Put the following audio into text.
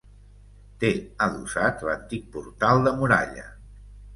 Té adossat l'antic portal de muralla.